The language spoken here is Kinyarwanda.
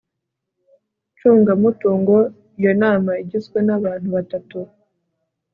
ncungamutungo Iyo nama igizwe n abantu batatu